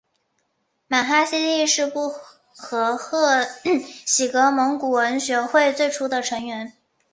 玛哈希力是布和贺喜格蒙古文学会最初的成员。